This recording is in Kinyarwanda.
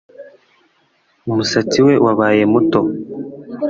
Umusatsi we wabaye muto